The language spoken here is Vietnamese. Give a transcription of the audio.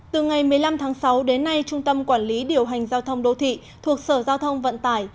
từ ngày một mươi năm tháng sáu đến nay trung tâm quản lý điều hành giao thông đô thị thuộc sở giao thông vận tải